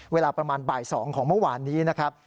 เวลาประมาณบ่าย๒ของเมื่อวานนี้นะครับ